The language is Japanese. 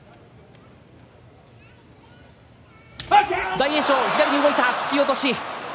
大栄翔、左に動いた突き落とし。